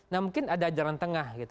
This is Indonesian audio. nah mungkin ada ajaran tengah gitu